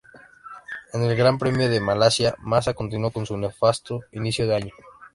En el Gran Premio de Malasia Massa continuó con su nefasto inicio de año.